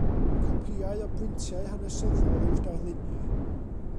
Copïau o brintiau hanesyddol yw'r darluniau.